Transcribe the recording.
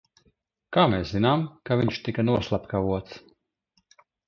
Kā mēs zinām, ka viņš tika noslepkavots?